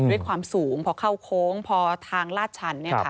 ด้วยความสูงพอเข้าโค้งพอทางลาดชัน